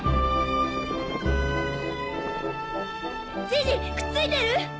ジジくっついてる？